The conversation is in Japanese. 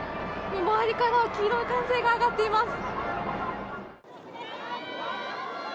周りから黄色い歓声が上がっています。